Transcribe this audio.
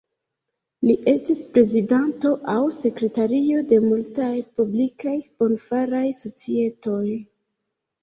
Li estis prezidanto aŭ sekretario de multaj publikaj bonfaraj societoj.